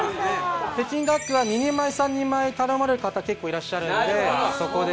北京ダックは２人前３人前頼まれる方結構いらっしゃるのでそこで。